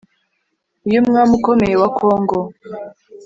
iyo umwami ukomeye wa congo